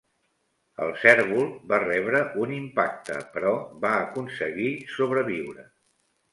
El cérvol va rebre un impacte però va aconseguir sobreviure.